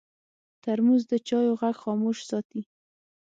ترموز د چایو غږ خاموش ساتي.